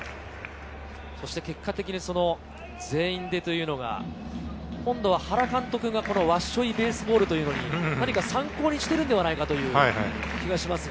結果的に全員でというのが、今度は原監督のワッショイベースボールというのに、何か参考にしているんではないかという気がしますが。